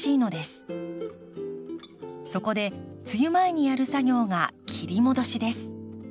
そこで梅雨前にやる作業が切り戻しです。